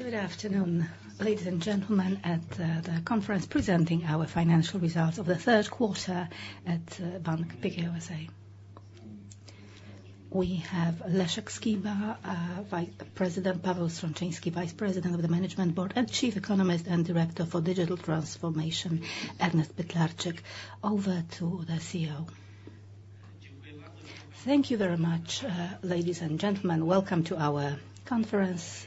Good afternoon, ladies and gentlemen, at the conference presenting our financial results of the third quarter at Bank Pekao S.A. We have Leszek Skiba, Vice President, Paweł Strączyński, Vice President of the Management Board, and Chief Economist and Director for Digital Transformation, Ernest Pytlarczyk. Over to the CEO. Thank you very much, ladies and gentlemen, welcome to our conference.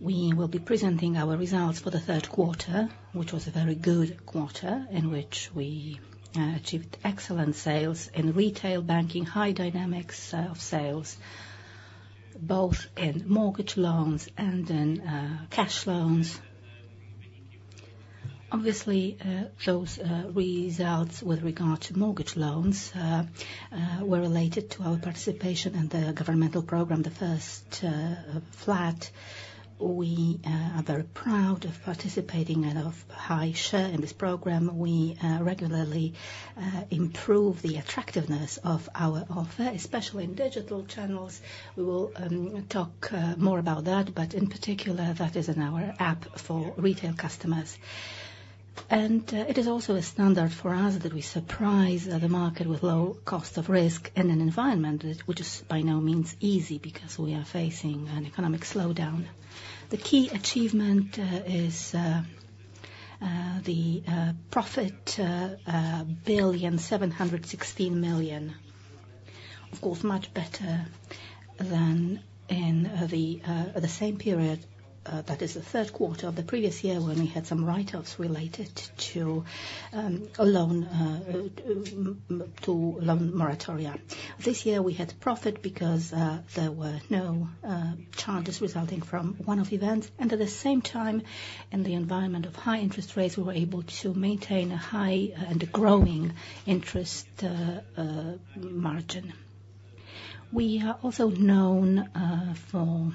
We will be presenting our results for the third quarter, which was a very good quarter, in which we achieved excellent sales in retail banking. High dynamics of sales, both in mortgage loans and in cash loans. Obviously, those results with regard to mortgage loans were related to our participation in the governmental program, the First Flat. We are very proud of participating and of high share in this program. We regularly improve the attractiveness of our offer, especially in digital channels. We will talk more about that, but in particular, that is in our app for retail customers. It is also a standard for us that we surprise the market with low cost of risk in an environment which is by no means easy, because we are facing an economic slowdown. The key achievement is the profit 1,716 million. Of course, much better than in the same period, that is the third quarter of the previous year, when we had some write-offs related to a loan moratoria. This year we had profit because there were no charges resulting from one-off events, and at the same time, in the environment of high interest rates, we were able to maintain a high and growing interest margin. We are also known for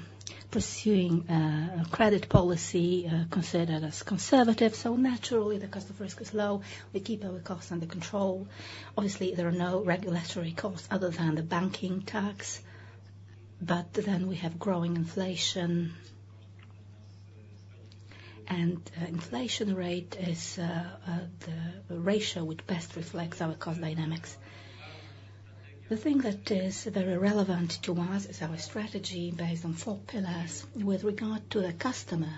pursuing a credit policy considered as conservative, so naturally, the cost of risk is low. We keep our costs under control. Obviously, there are no regulatory costs other than the banking tax, but then we have growing inflation. Inflation rate is the ratio which best reflects our cost dynamics. The thing that is very relevant to us is our strategy based on four pillars. With regard to the customer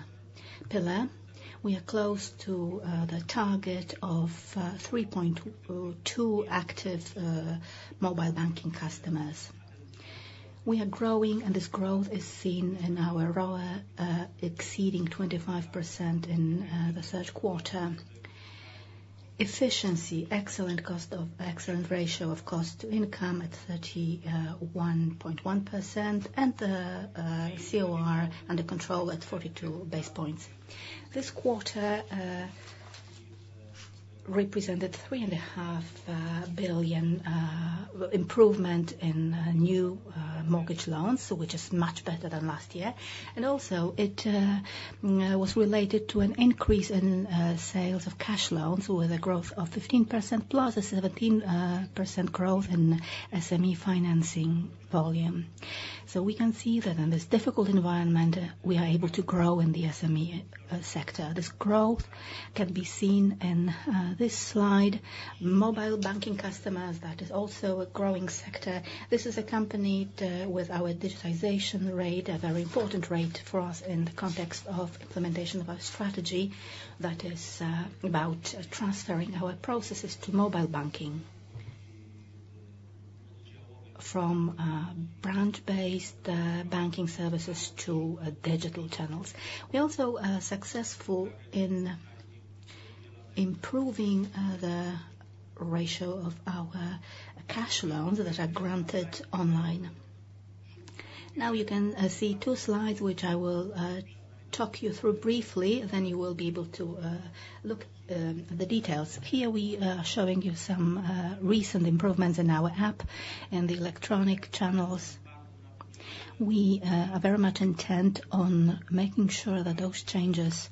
pillar, we are close to the target of 3.2 active mobile banking customers. We are growing, and this growth is seen in our ROA, exceeding 25% in the third quarter. Efficiency, excellent ratio of cost to income at 31.1%, and the COR under control at 42 basis points. This quarter represented 3.5 billion improvement in new mortgage loans, so which is much better than last year. And also, it was related to an increase in sales of cash loans, with a growth of 15%, plus a 17% growth in SME financing volume. So we can see that in this difficult environment, we are able to grow in the SME sector. This growth can be seen in this slide. Mobile banking customers, that is also a growing sector. This is accompanied with our digitization rate, a very important rate for us in the context of implementation of our strategy. That is about transferring our processes to mobile banking, from branch-based banking services to digital channels. We are also successful in improving the ratio of our cash loans that are granted online. Now, you can see two slides, which I will talk you through briefly, then you will be able to look the details. Here, we are showing you some recent improvements in our app and the electronic channels. We are very much intent on making sure that those changes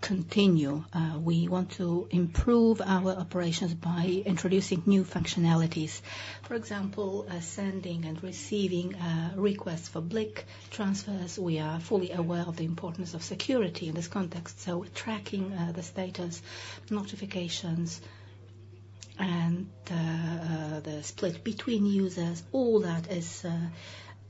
continue. We want to improve our operations by introducing new functionalities. For example, sending and receiving requests for BLIK transfers. We are fully aware of the importance of security in this context, so tracking the status, notifications, and the split between users, all that is,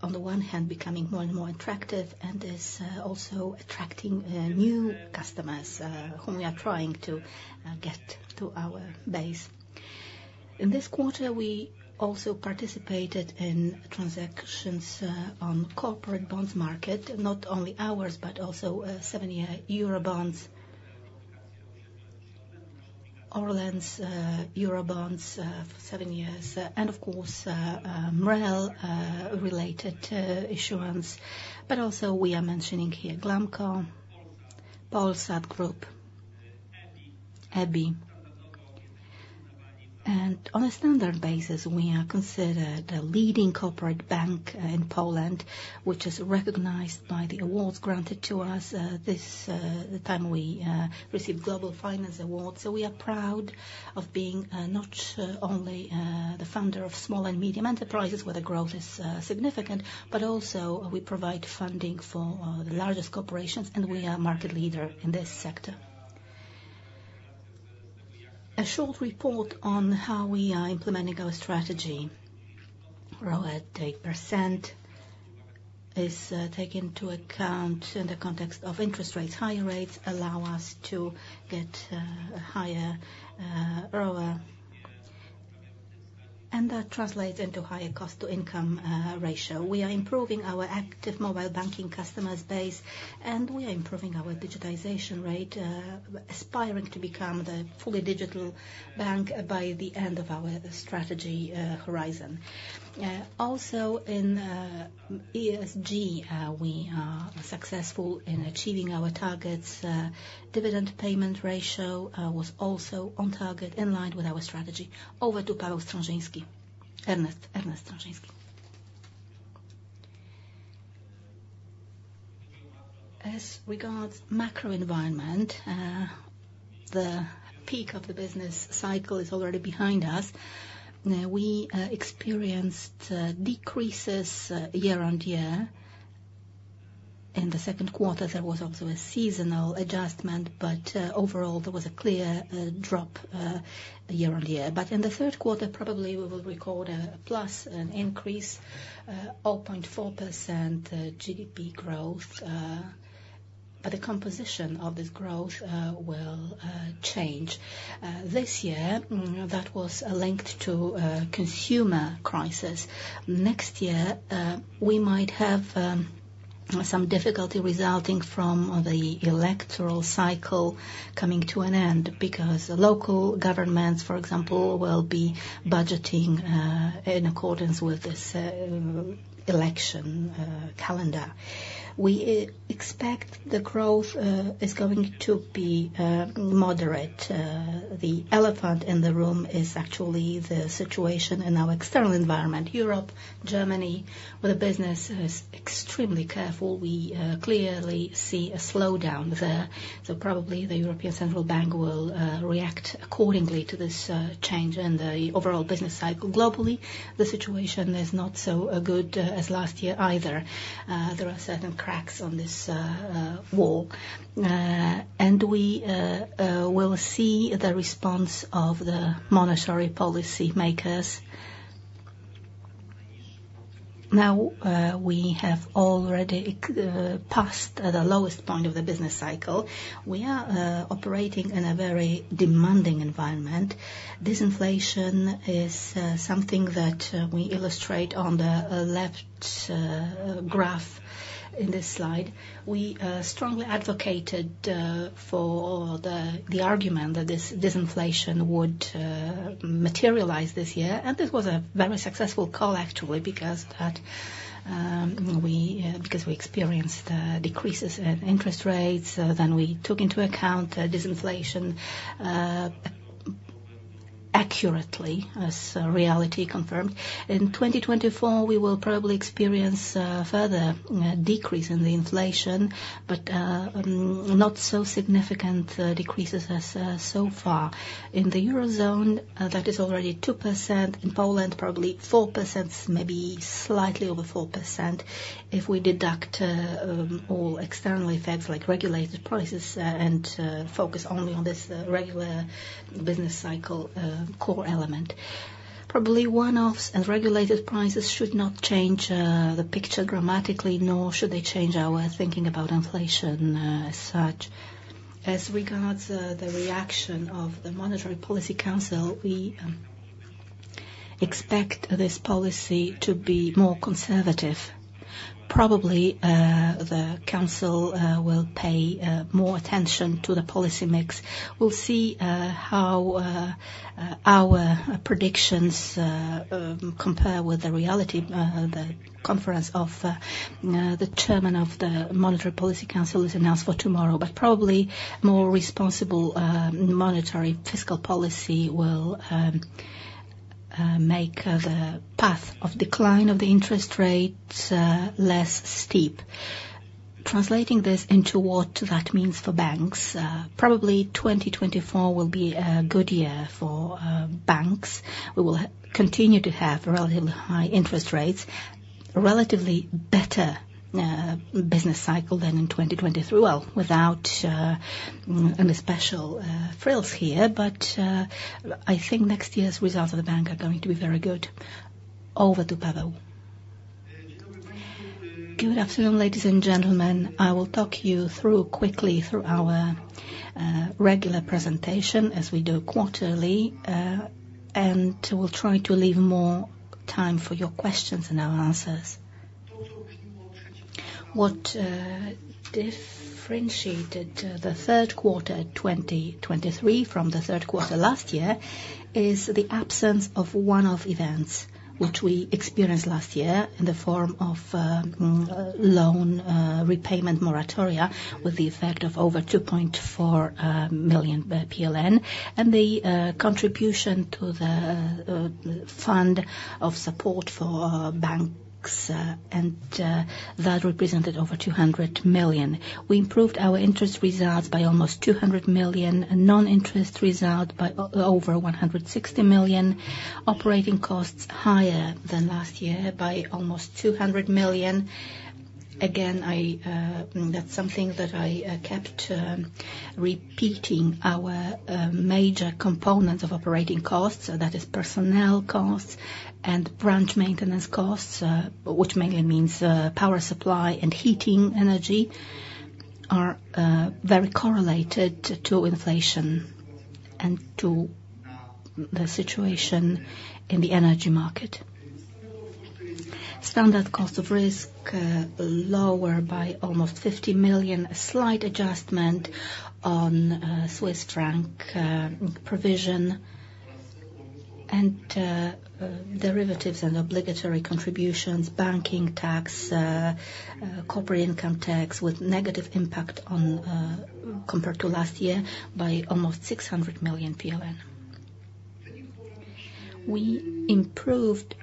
on the one hand, becoming more and more attractive and is also attracting new customers whom we are trying to get to our base. In this quarter, we also participated in transactions on corporate bonds market, not only ours, but also seven-year Eurobonds. ORLEN's Eurobonds for seven years, and of course, related issuance. But also we are mentioning here, Ghelamco, Polsat Group, EIB And on a standard basis, we are considered a leading corporate bank in Poland, which is recognized by the awards granted to us. This time, we received Global Finance Award, so we are proud of being not only the funder of small and medium enterprises, where the growth is significant, but also we provide funding for the largest corporations, and we are market leader in this sector. A short report on how we are implementing our strategy. ROE at 8% is take into account in the context of interest rates. Higher rates allow us to get a higher ROA, and that translates into higher cost-to-income ratio. We are improving our active mobile banking customers base, and we are improving our digitization rate, aspiring to become the fully digital bank by the end of our strategy horizon. Also in ESG, we are successful in achieving our targets. Dividend payment ratio was also on target, in line with our strategy. Over to Paweł Strączyński. Ernest Pytlarczyk. As regards macro environment, the peak of the business cycle is already behind us. Now, we experienced decreases year-over-year. In the second quarter, there was also a seasonal adjustment, but overall, there was a clear drop year-over-year. But in the third quarter, probably we will record a plus, an increase of 0.4% GDP growth, but the composition of this growth will change. This year, that was linked to a consumer crisis. Next year, we might have some difficulty resulting from the electoral cycle coming to an end, because the local governments, for example, will be budgeting in accordance with this election calendar. We expect the growth is going to be moderate. The elephant in the room is actually the situation in our external environment, Europe, Germany, where the business is extremely careful. We clearly see a slowdown there. So probably, the European Central Bank will react accordingly to this change in the overall business cycle. Globally, the situation is not so good as last year either. There are certain cracks on this wall. And we will see the response of the monetary policy makers. Now, we have already passed the lowest point of the business cycle. We are operating in a very demanding environment. Disinflation is something that we illustrate on the left graph in this slide. We strongly advocated for the argument that this disinflation would materialize this year, and this was a very successful call, actually, because we experienced decreases in interest rates than we took into account disinflation accurately, as reality confirmed. In 2024, we will probably experience further decrease in the inflation, but not so significant decreases as so far. In the Eurozone, that is already 2%. In Poland, probably 4%, maybe slightly over 4%, if we deduct all external effects, like regulated prices, and focus only on this regular business cycle core element. Probably, one-offs and regulated prices should not change the picture dramatically, nor should they change our thinking about inflation as such. As regards the reaction of the Monetary Policy Council, we expect this policy to be more conservative. Probably the council will pay more attention to the policy mix. We'll see how our predictions compare with the reality. The conference of the chairman of the Monetary Policy Council is announced for tomorrow. But probably more responsible monetary fiscal policy will make the path of decline of the interest rates less steep. Translating this into what that means for banks, probably 2024 will be a good year for banks. We will continue to have relatively high interest rates, relatively better business cycle than in 2023. Well, without any special frills here, but I think next year's results of the bank are going to be very good. Over to Paweł. Good afternoon, ladies and gentlemen. I will talk you through, quickly through our, regular presentation, as we do quarterly, and we'll try to leave more time for your questions and our answers. What differentiated the third quarter 2023 from the third quarter last year, is the absence of one-off events, which we experienced last year in the form of, loan repayment moratoria, with the effect of over 2.4 billion PLN, and the, contribution to the, fund of support for, banks, and, that represented over 200 million. We improved our interest results by almost 200 million, and non-interest result by over 160 million. Operating costs higher than last year by almost 200 million. Again, I, that's something that I kept repeating our major components of operating costs, so that is personnel costs and branch maintenance costs, which mainly means power supply and heating energy, are very correlated to inflation and to the situation in the energy market. Standard cost of risk lower by almost 50 million. A slight adjustment on Swiss franc provision, and derivatives and obligatory contributions, banking tax, corporate income tax with negative impact on compared to last year, by almost 600 million PLN. We improved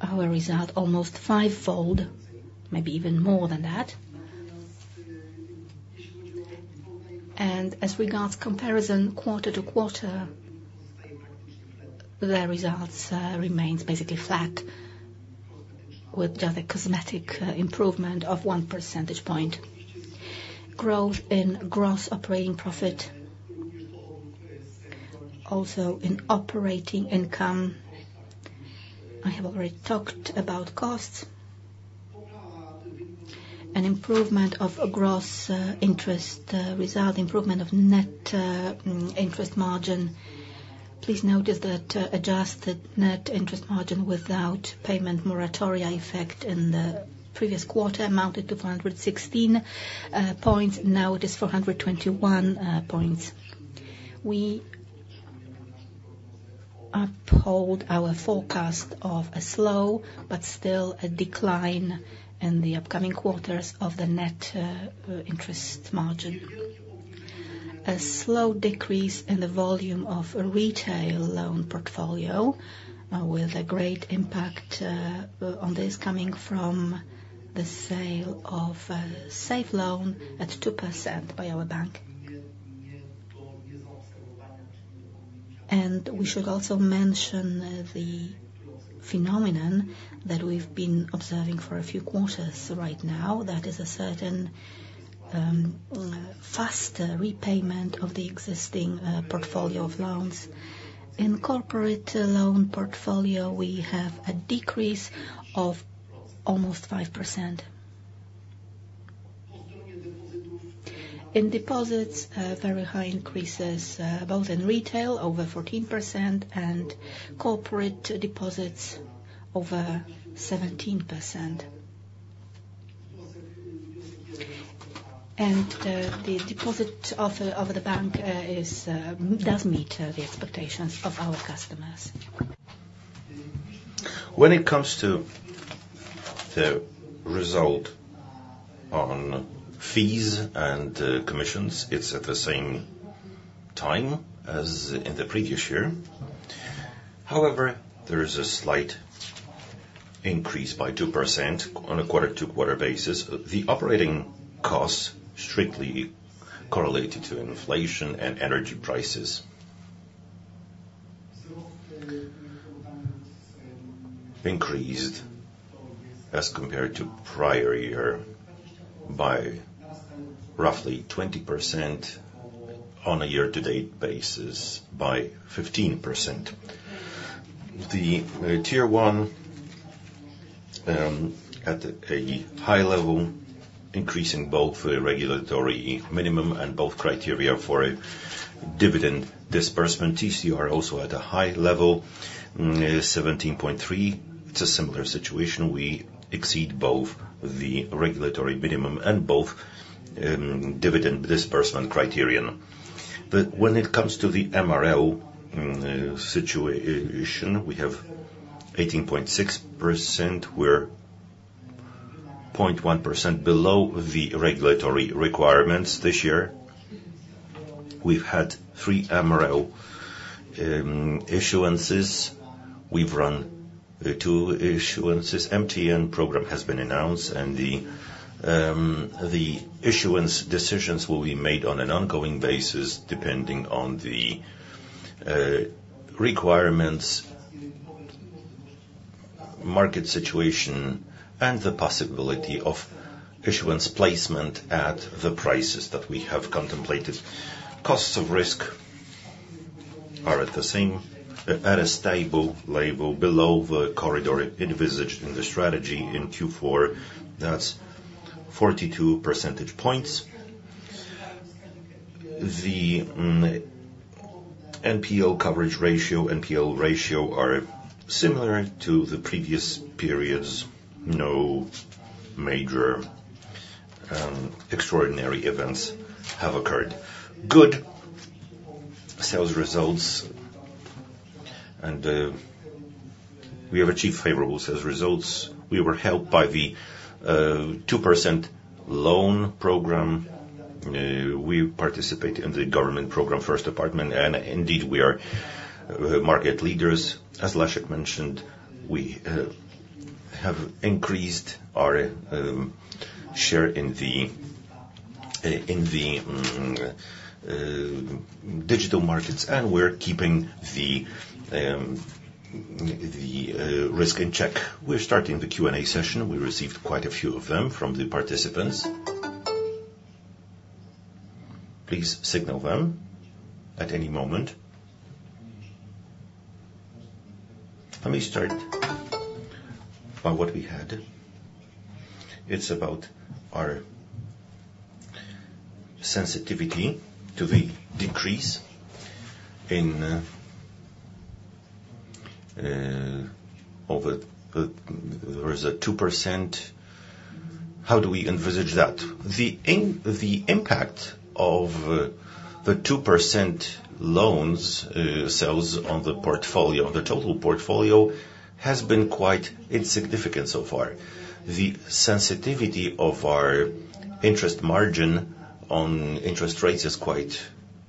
our result almost fivefold, maybe even more than that. And as regards comparison, quarter to quarter, the results remains basically flat, with just a cosmetic improvement of 1 percentage point. Growth in gross operating profit, also in operating income. I have already talked about costs. An improvement of gross interest result, improvement of net interest margin. Please notice that adjusted net interest margin without payment moratoria effect in the previous quarter amounted to 416 points, now it is 421 points. We uphold our forecast of a slow but still a decline in the upcoming quarters of the net interest margin. A slow decrease in the volume of a retail loan portfolio with a great impact on this coming from the sale of Safe Loan at 2% by our bank. And we should also mention the phenomenon that we've been observing for a few quarters right now, that is a certain faster repayment of the existing portfolio of loans. In corporate loan portfolio, we have a decrease of almost 5%. In deposits, very high increases, both in retail, over 14%, and corporate deposits, over 17%. And, the deposit offer of the bank does meet the expectations of our customers. When it comes to the result on fees and commissions, it's at the same time as in the previous year. However, there is a slight increase by 2% on a quarter-over-quarter basis. The operating costs, strictly correlated to inflation and energy prices, increased as compared to prior year by roughly 20%, on a year-to-date basis by 15%. The Tier 1, at a high level, increasing both the regulatory minimum and both criteria for a dividend disbursement. TCR are also at a high level, 17.3. It's a similar situation. We exceed both the regulatory minimum and both dividend disbursement criterion. But when it comes to the MREL situation, we have 18.6%, we're 0.1% below the regulatory requirements this year. We've had three MREL issuances. We've run two issuances. MTN program has been announced, and the issuance decisions will be made on an ongoing basis, depending on the requirements, market situation, and the possibility of issuance placement at the prices that we have contemplated. Costs of risk are at a stable level, below the corridor envisaged in the strategy in Q4. That's 42 percentage points. The NPL coverage ratio, NPL ratio, are similar to the previous periods. No major extraordinary events have occurred. Good sales results, and we have achieved favorable sales results. We were helped by the 2% loan program. We participate in the government program, First Apartment, and indeed, we are market leaders. As Leszek mentioned, we have increased our share in the digital markets, and we're keeping the risk in check. We're starting the Q&A session. We received quite a few of them from the participants. Please signal them at any moment. Let me start on what we had. It's about our sensitivity to the decrease in there is a 2%. How do we envisage that? The impact of the 2% loans sales on the portfolio, on the total portfolio, has been quite insignificant so far. The sensitivity of our interest margin on interest rates is quite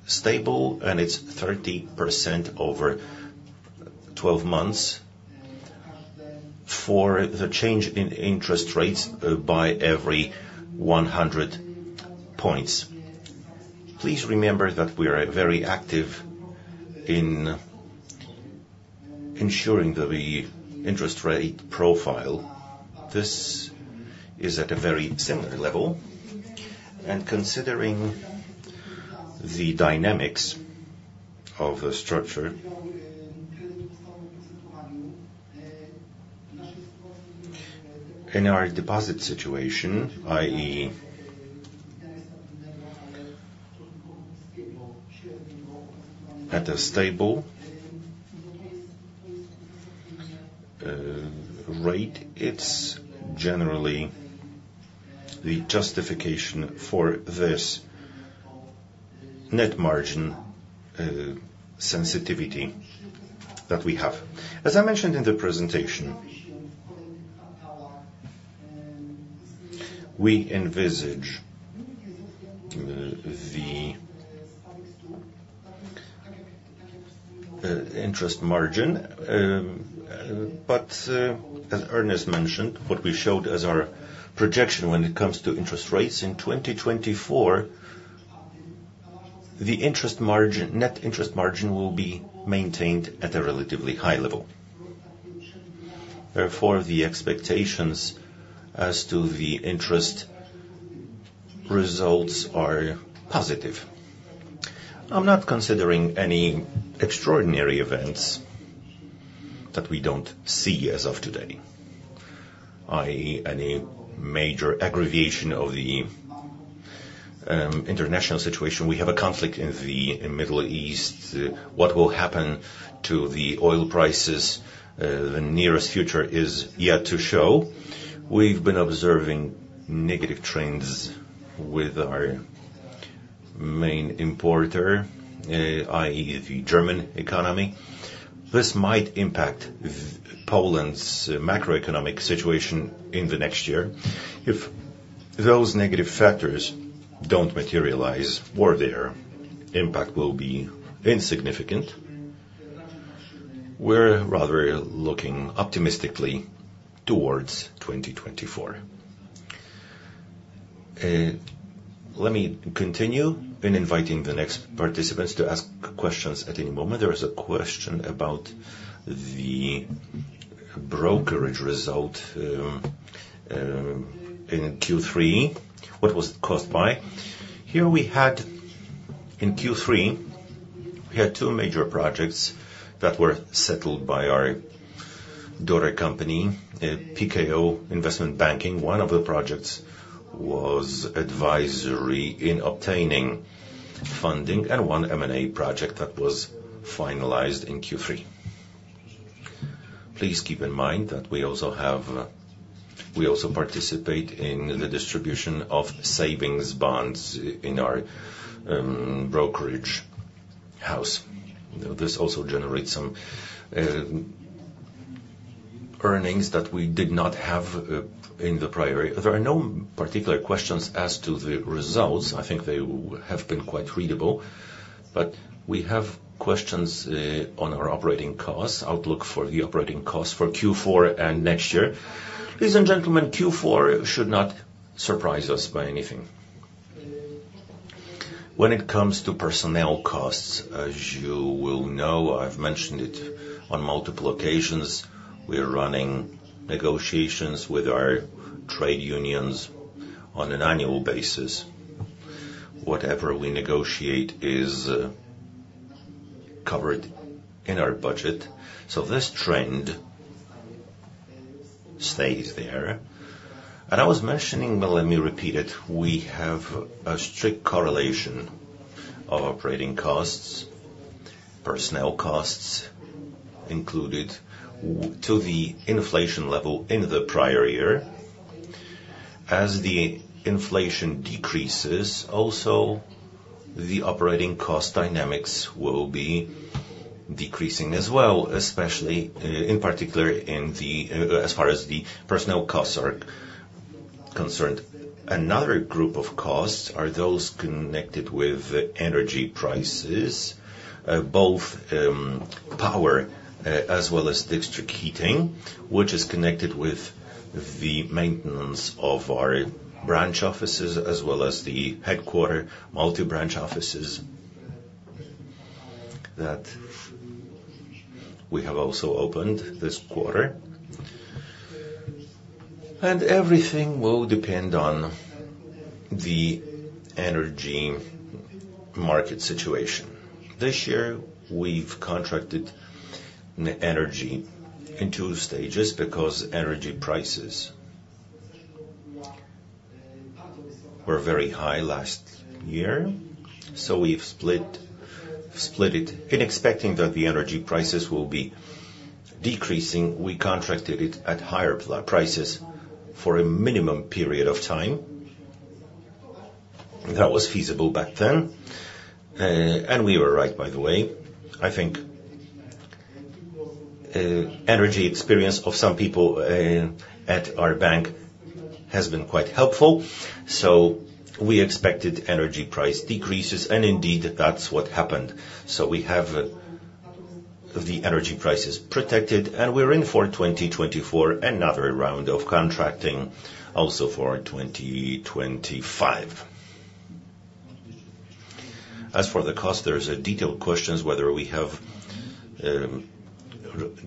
stable, and it's 30% over twelve months for the change in interest rates by every 100 points. Please remember that we are very active in ensuring that the interest rate profile, this is at a very similar level. Considering the dynamics of the structure, in our deposit situation, i.e., at a stable rate, it's generally the justification for this net margin sensitivity that we have. As I mentioned in the presentation, we envisage the interest margin. But as Ernest mentioned, what we showed as our projection when it comes to interest rates in 2024, the interest margin - net interest margin will be maintained at a relatively high level. Therefore, the expectations as to the interest results are positive. I'm not considering any extraordinary events that we don't see as of today, i.e., any major aggravation of the international situation. We have a conflict in the Middle East. What will happen to the oil prices, the nearest future is yet to show. We've been observing negative trends with our main importer, i.e., the German economy. This might impact Poland's macroeconomic situation in the next year. If those negative factors don't materialize or their impact will be insignificant, we're rather looking optimistically towards 2024. Let me continue in inviting the next participants to ask questions at any moment. There is a question about the brokerage result in Q3. What was it caused by? In Q3, we had two major projects that were settled by our daughter company, Pekao Investment Banking. One of the projects was advisory in obtaining funding and one M&A project that was finalized in Q3. Please keep in mind that we also have, we also participate in the distribution of savings bonds in our brokerage house. This also generates some earnings that we did not have in the prior year. There are no particular questions as to the results. I think they have been quite readable, but we have questions on our operating costs, outlook for the operating costs for Q4 and next year. Ladies and gentlemen, Q4 should not surprise us by anything. When it comes to personnel costs, as you will know, I've mentioned it on multiple occasions, we are running negotiations with our trade unions on an annual basis. Whatever we negotiate is covered in our budget, so this trend stays there. And I was mentioning, but let me repeat it, we have a strict correlation of operating costs, personnel costs included, to the inflation level in the prior year. As the inflation decreases, also, the operating cost dynamics will be decreasing as well, especially, in particular, as far as the personnel costs are concerned. Another group of costs are those connected with energy prices, both power as well as district heating, which is connected with the maintenance of our branch offices as well as the headquarters, multi-branch offices that we have also opened this quarter, and everything will depend on the energy market situation. This year, we've contracted the energy in two stages because energy prices were very high last year, so we've split it. In expecting that the energy prices will be decreasing, we contracted it at higher prices for a minimum period of time. That was feasible back then, and we were right, by the way. I think energy experience of some people at our bank has been quite helpful, so we expected energy price decreases, and indeed, that's what happened. So we have the energy prices protected, and we're in for 2024, another round of contracting also for 2025. As for the cost, there's a detailed questions whether we have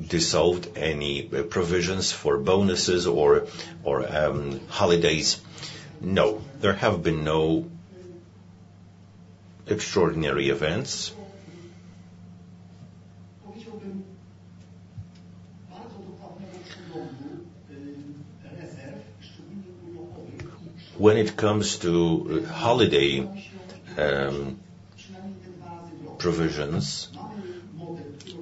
dissolved any provisions for bonuses or holidays. No, there have been no extraordinary events. When it comes to holiday provisions,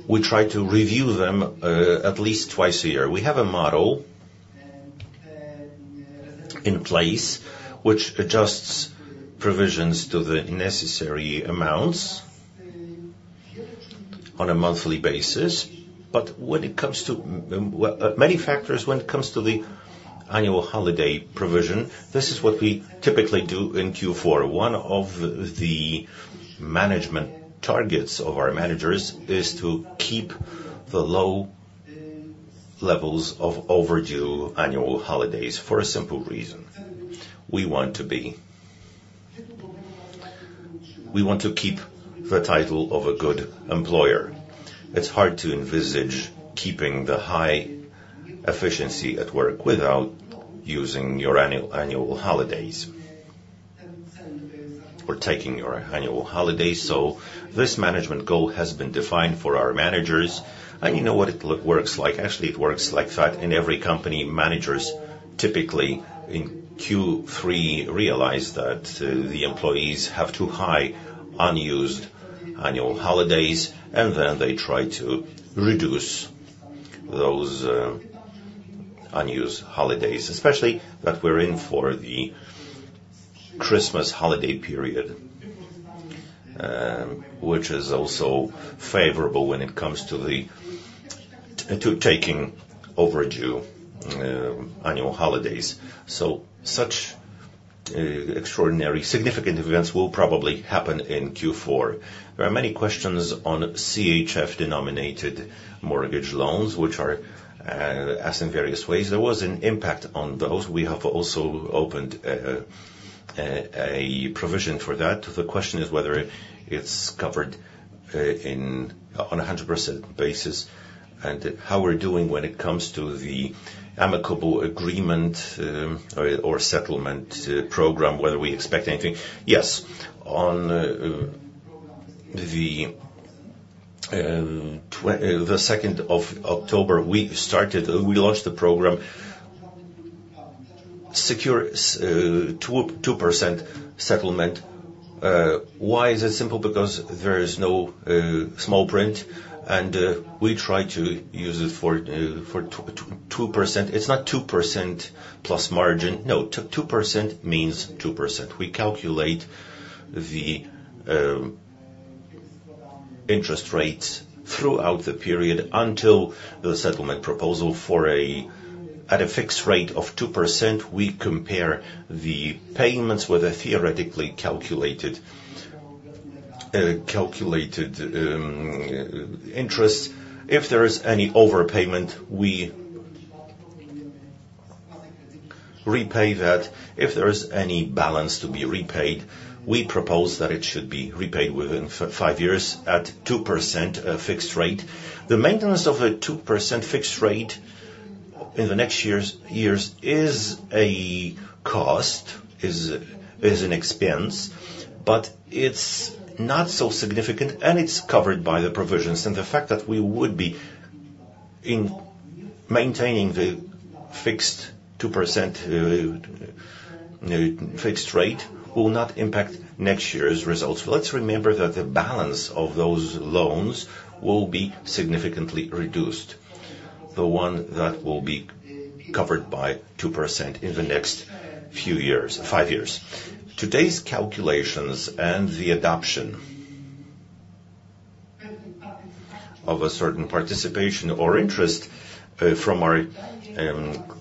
we try to review them at least twice a year. We have a model in place which adjusts provisions to the necessary amounts on a monthly basis, but when it comes to, well, many factors when it comes to the annual holiday provision, this is what we typically do in Q4. One of the management targets of our managers is to keep the low levels of overdue annual holidays for a simple reason. We want to be-- We want to keep the title of a good employer. It's hard to envisage keeping the high efficiency at work without using your annual, annual holidays, or taking your annual holidays. So this management goal has been defined for our managers. And you know what it works like? Actually, it works like that in every company. Managers, typically in Q3, realize that the employees have too high unused annual holidays, and then they try to reduce those unused holidays, especially that we're in for the Christmas holiday period, which is also favorable when it comes to taking overdue annual holidays. So such extraordinary, significant events will probably happen in Q4. There are many questions on CHF-denominated mortgage loans, which are asked in various ways. There was an impact on those. We have also opened a provision for that. The question is whether it's covered in on a 100% basis, and how we're doing when it comes to the amicable agreement, or, or settlement program, whether we expect anything. Yes. On the second of October, we started, we launched the program, Secure 2% Settlement. Why? Is it simple? Because there is no small print, and we try to use it for, for 2%. It's not 2% plus margin. No, 2% means 2%. We calculate the interest rates throughout the period until the settlement proposal for a... At a fixed rate of 2%, we compare the payments with a theoretically calculated calculated interest. If there is any overpayment, we repay that. If there is any balance to be repaid, we propose that it should be repaid within 5 years at 2%, fixed rate. The maintenance of a 2% fixed rate in the next years is a cost, is an expense, but it's not so significant, and it's covered by the provisions. The fact that we would be in maintaining the fixed 2%, fixed rate, will not impact next year's results. Let's remember that the balance of those loans will be significantly reduced, the one that will be covered by 2% in the next few years, 5 years. Today's calculations and the adoption of a certain participation or interest from our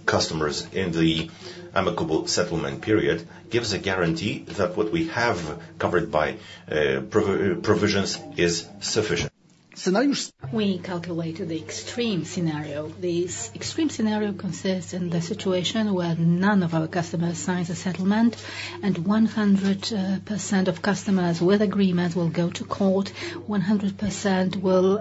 customers in the amicable settlement period gives a guarantee that what we have covered by provisions is sufficient. ... We calculated the extreme scenario. The extreme scenario consists in the situation where none of our customers signs a settlement, and 100% of customers with agreement will go to court, 100% will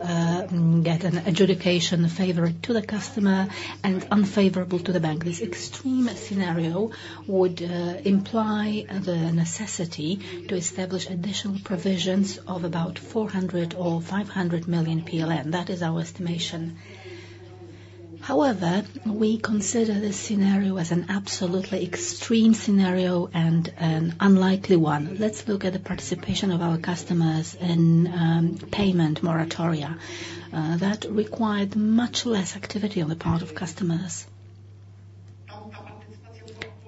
get an adjudication favorable to the customer and unfavorable to the bank. This extreme scenario would imply the necessity to establish additional provisions of about 400 million or 500 million PLN. That is our estimation. However, we consider this scenario as an absolutely extreme scenario and an unlikely one. Let's look at the participation of our customers in payment moratoria that required much less activity on the part of customers.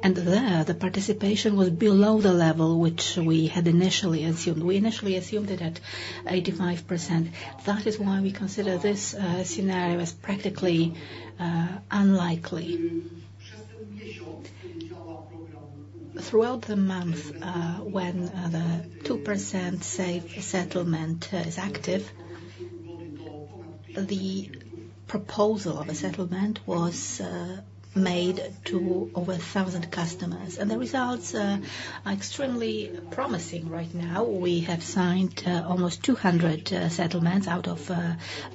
And there, the participation was below the level which we had initially assumed. We initially assumed it at 85%. That is why we consider this scenario as practically unlikely. Throughout the month, when the 2%, say, settlement is active, the proposal of a settlement was made to over 1,000 customers, and the results are extremely promising right now. We have signed almost 200 settlements out of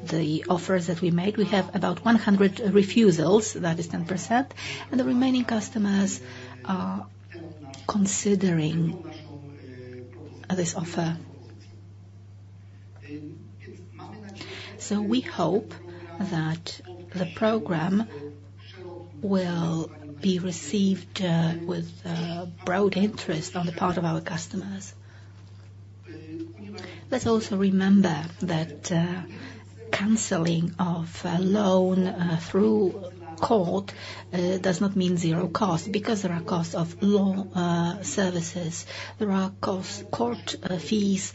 the offers that we made. We have about 100 refusals. That is 10%, and the remaining customers are considering this offer. So we hope that the program will be received with broad interest on the part of our customers. Let's also remember that canceling of a loan through court does not mean zero cost, because there are costs of law services, there are costs, court fees.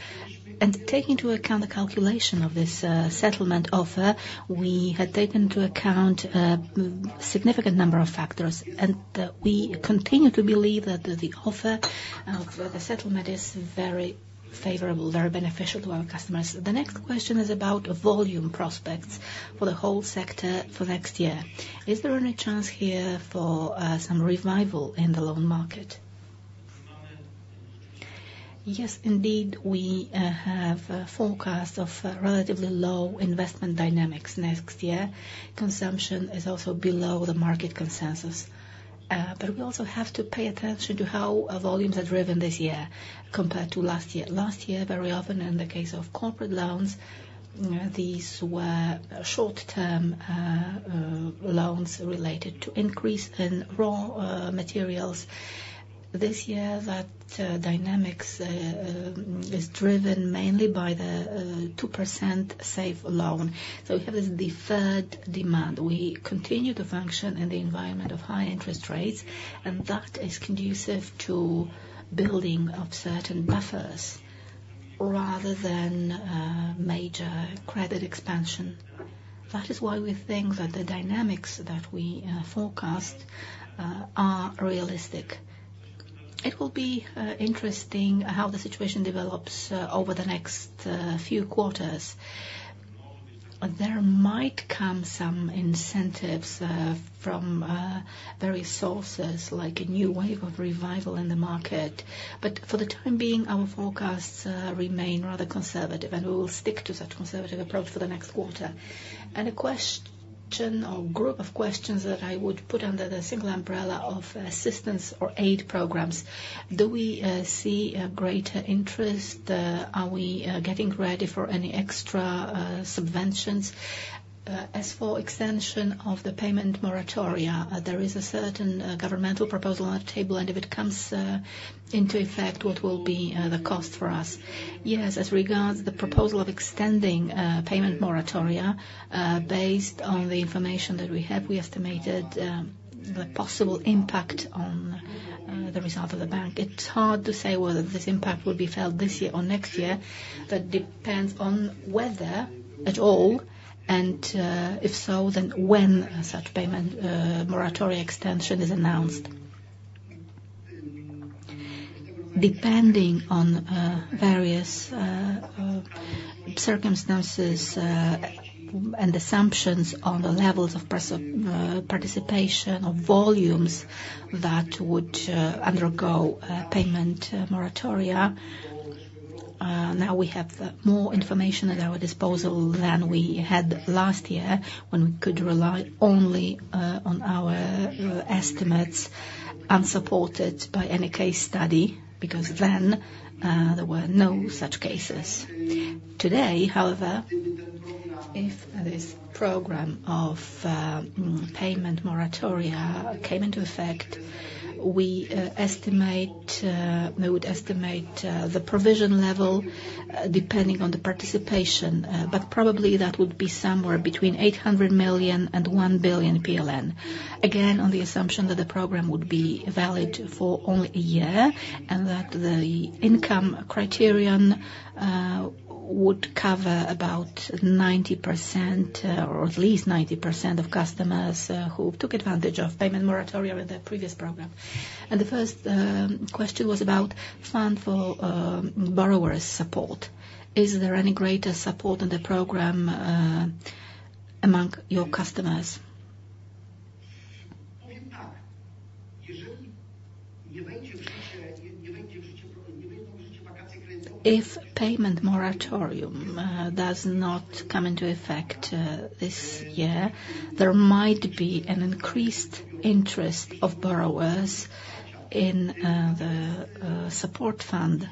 Taking into account the calculation of this, settlement offer, we had taken into account a significant number of factors, and we continue to believe that the offer, the settlement is very favorable, very beneficial to our customers. The next question is about volume prospects for the whole sector for next year. Is there any chance here for some revival in the loan market? Yes, indeed, we have a forecast of relatively low investment dynamics next year. Consumption is also below the market consensus, but we also have to pay attention to how our volumes are driven this year compared to last year. Last year, very often in the case of corporate loans, these were short-term, loans related to increase in raw materials. This year, that, dynamics, is driven mainly by the, 2% Safe Loan. So we have this deferred demand. We continue to function in the environment of high interest rates, and that is conducive to building up certain buffers rather than major credit expansion. That is why we think that the dynamics that we forecast are realistic. It will be interesting how the situation develops over the next few quarters. There might come some incentives from various sources, like a new wave of revival in the market. But for the time being, our forecasts remain rather conservative, and we will stick to that conservative approach for the next quarter. A question or group of questions that I would put under the single umbrella of assistance or aid programs: Do we see a greater interest? Are we getting ready for any extra subventions? As for extension of the payment moratoria, there is a certain governmental proposal on the table, and if it comes into effect, what will be the cost for us? Yes, as regards the proposal of extending payment moratoria, based on the information that we have, we estimated the possible impact on the result of the bank. It's hard to say whether this impact will be felt this year or next year. That depends on whether at all, and if so, then when such payment moratoria extension is announced. Depending on various circumstances and assumptions on the levels of participation of volumes that would undergo payment moratoria, now we have more information at our disposal than we had last year, when we could rely only on our estimates unsupported by any case study, because then there were no such cases. Today, however, if this program of payment moratoria came into effect, we estimate we would estimate the provision level, depending on the participation, but probably that would be somewhere between 800 million and 1 billion PLN. Again, on the assumption that the program would be valid for only a year, and that the income criterion would cover about 90% or at least 90% of customers who took advantage of payment moratoria in the previous program. The first question was about fund for borrowers' support. Is there any greater support in the program among your customers? If payment moratorium does not come into effect this year, there might be an increased interest of borrowers in the support fund.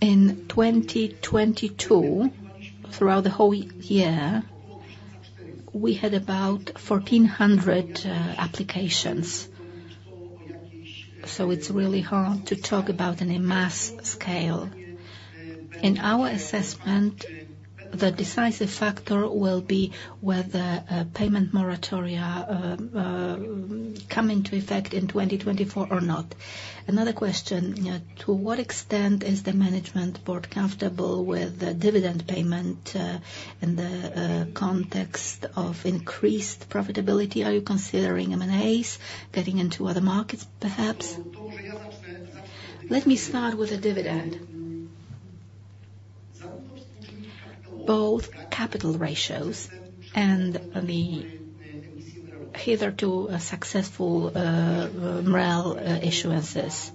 In 2022, throughout the whole year, we had about 1,400 applications, so it's really hard to talk about in a mass scale. In our assessment, the decisive factor will be whether payment moratoria come into effect in 2024 or not. Another question to what extent is the management board comfortable with the dividend payment in the context of increased profitability? Are you considering M&As, getting into other markets, perhaps? Let me start with the dividend. Both capital ratios and the hitherto successful MREL issuances.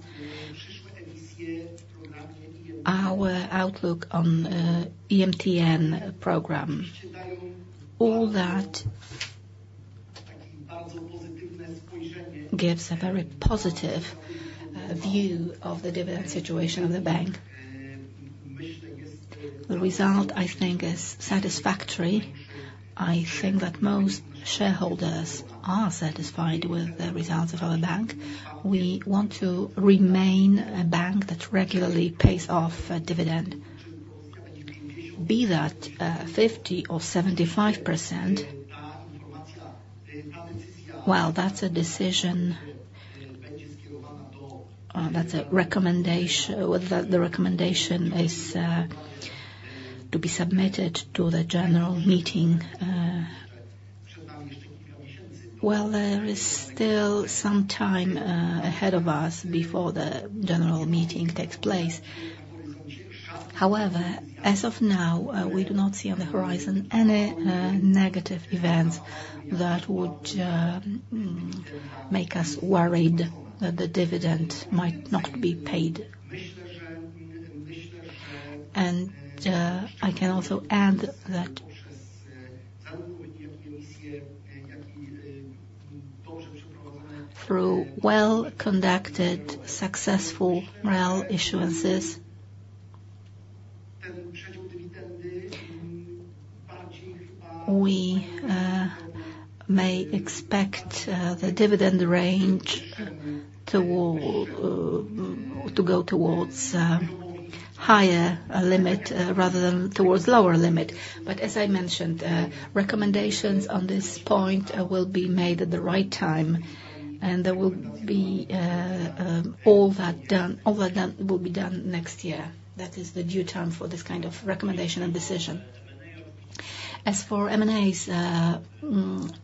Our outlook on EMTN program, all that gives a very positive view of the dividend situation of the bank. The result, I think, is satisfactory. I think that most shareholders are satisfied with the results of our bank. We want to remain a bank that regularly pays off a dividend. Be that 50% or 75%. Well, that's a decision, well, the recommendation is to be submitted to the general meeting. Well, there is still some time ahead of us before the general meeting takes place. However, as of now, we do not see on the horizon any negative events that would make us worried that the dividend might not be paid. I can also add that through well-conducted, successful MREL issuances, we may expect the dividend range to go towards higher limit rather than towards lower limit. But as I mentioned, recommendations on this point will be made at the right time, and there will be all that will be done next year. That is the due time for this kind of recommendation and decision. As for M&As,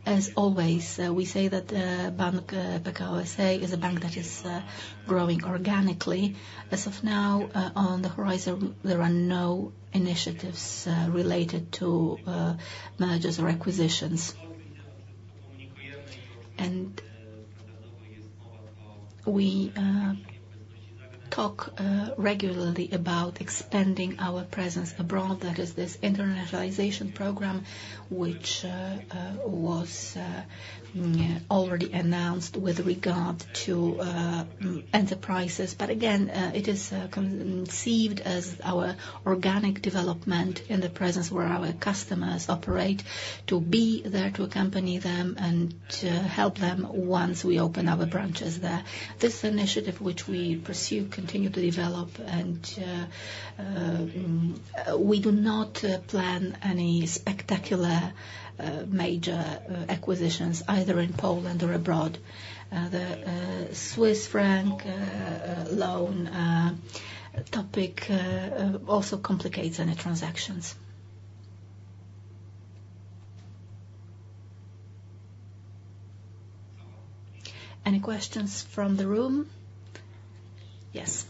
as always, we say that Bank Pekao S.A. is a bank that is growing organically. As of now, on the horizon, there are no initiatives related to mergers or acquisitions. We talk regularly about expanding our presence abroad. That is this internationalization program, which was already announced with regard to enterprises. But again, it is conceived as our organic development in the presence where our customers operate, to be there to accompany them and to help them once we open our branches there. This initiative, which we pursue, continue to develop, and we do not plan any spectacular major acquisitions, either in Poland or abroad. The Swiss franc loan topic also complicates any transactions. Any questions from the room? Yes.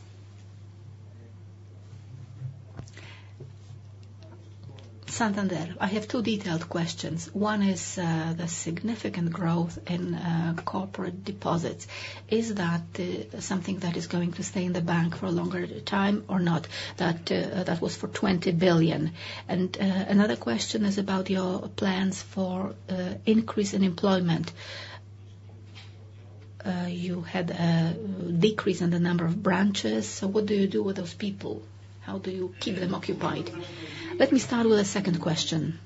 Santander. I have two detailed questions. One is the significant growth in corporate deposits. Is that something that is going to stay in the bank for a longer time or not? That that was for 20 billion. Another question is about your plans for increase in employment. You had a decrease in the number of branches, so what do you do with those people? How do you keep them occupied? Let me start with the second question.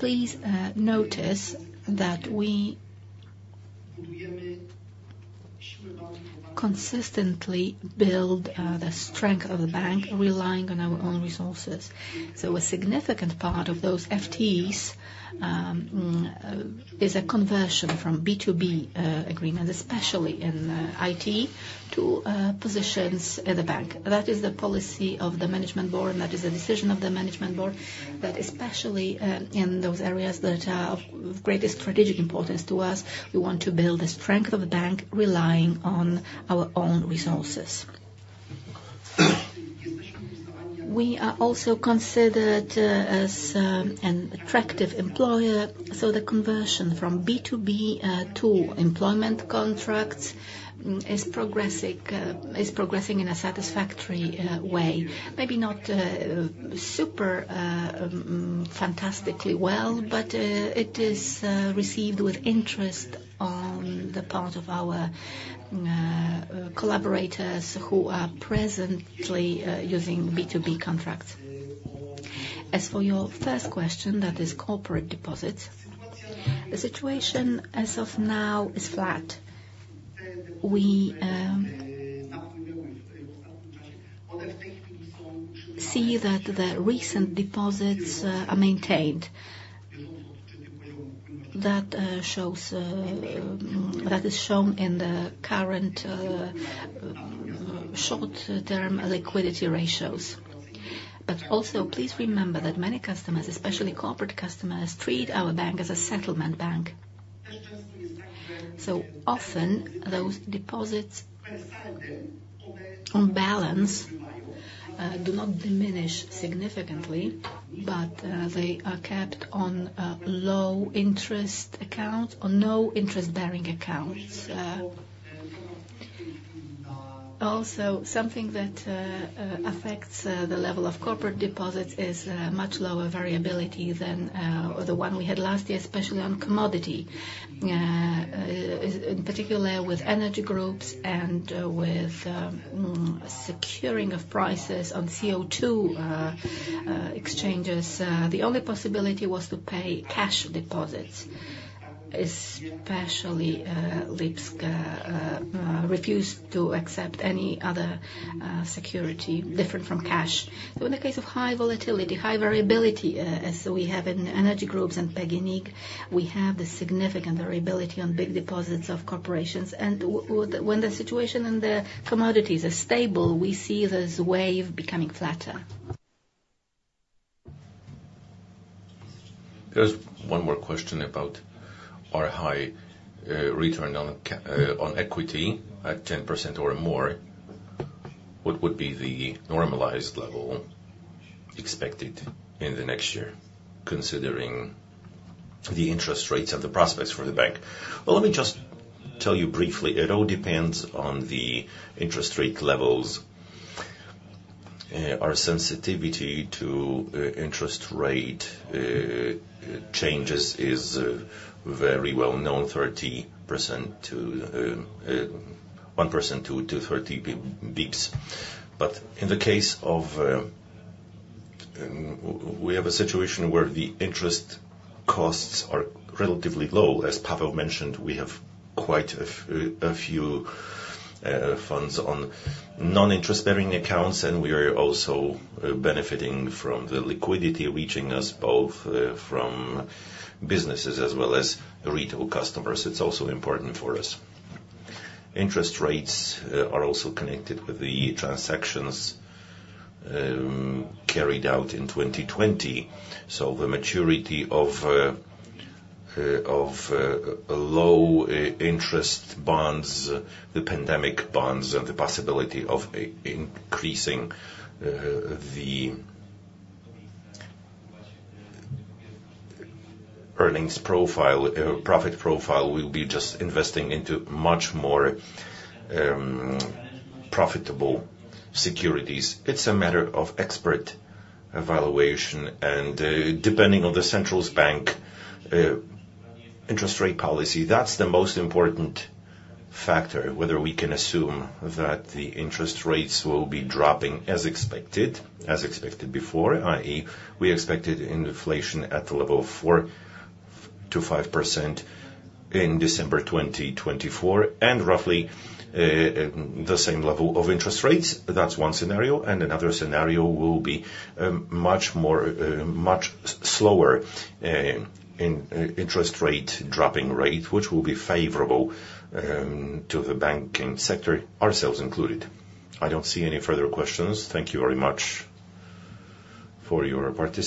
Please, notice that we consistently build the strength of the bank, relying on our own resources. So a significant part of those FTEs is a conversion from B2B agreement, especially in IT, to positions in the bank. That is the policy of the management board, and that is the decision of the management board, that especially in those areas that are of greatest strategic importance to us, we want to build the strength of the bank, relying on our own resources... We are also considered as an attractive employer, so the conversion from B2B to employment contracts is progressing, is progressing in a satisfactory way. Maybe not super fantastically well, but it is received with interest on the part of our collaborators who are presently using B2B contracts. As for your first question, that is corporate deposits, the situation as of now is flat. We see that the recent deposits are maintained. That shows, that is shown in the current short-term liquidity ratios. But also, please remember that many customers, especially corporate customers, treat our bank as a settlement bank. So often, those deposits on balance do not diminish significantly, but they are kept on a low interest account or no interest-bearing accounts. Also, something that affects the level of corporate deposits is much lower variability than the one we had last year, especially on commodity. In particular with energy groups and with securing of prices on CO2 exchanges, the only possibility was to pay cash deposits, especially Leipzig refused to accept any other security different from cash. But in the case of high volatility, high variability, as we have in energy groups and PGNiG, we have the significant variability on big deposits of corporations. When the situation and the commodities are stable, we see this wave becoming flatter. There's one more question about our high return on equity at 10% or more. What would be the normalized level expected in the next year, considering the interest rates and the prospects for the bank? Well, let me just tell you briefly, it all depends on the interest rate levels. Our sensitivity to interest rate changes is very well known, 30% to 1% to 30 bps. But in the case of we have a situation where the interest costs are relatively low. As Paweł mentioned, we have quite a few funds on non-interest-bearing accounts, and we are also benefiting from the liquidity reaching us both from businesses as well as retail customers. It's also important for us. Interest rates are also connected with the transactions carried out in 2020. So the maturity of low-interest bonds, the pandemic bonds, and the possibility of increasing the earnings profile, profit profile, we'll be just investing into much more profitable securities. It's a matter of expert evaluation, and depending on the central bank's interest rate policy, that's the most important factor, whether we can assume that the interest rates will be dropping as expected, as expected before, i.e., we expected inflation at the level of 4%-5% in December 2024, and roughly the same level of interest rates. That's one scenario, and another scenario will be much more much slower in interest rate dropping rate, which will be favorable to the banking sector, ourselves included. I don't see any further questions. Thank you very much for your participation.